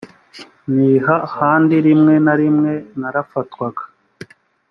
ni ha handi rimwe na rimwe narafatwaga